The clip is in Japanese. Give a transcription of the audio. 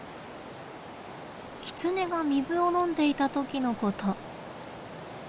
キツネが水を飲んでいた時のこと。